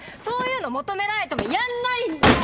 そういうの求められてもやんないんで！